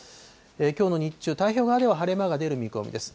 きょうの日中、太平洋側では晴れ間が出る見込みです。